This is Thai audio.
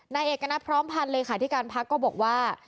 ในเอกณะพร้อมพันธุ์เลยค่ะที่การพักก็บอกว่า